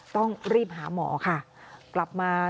ต้องรีบหาหมอค่ะ